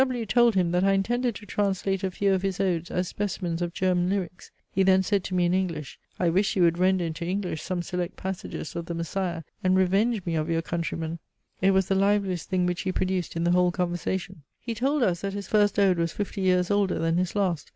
W told him that I intended to translate a few of his odes as specimens of German lyrics he then said to me in English, "I wish you would render into English some select passages of THE MESSIAH, and revenge me of your countryman!". It was the liveliest thing which he produced in the whole conversation. He told us, that his first ode was fifty years older than his last.